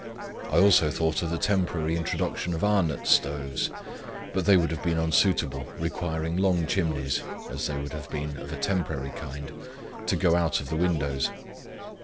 I also thought of the temporary introduction of Arnott's stoves; but they would have been unsuitable, requiring long chimneys (as they would have been of a temporary kind) to go out of the windows.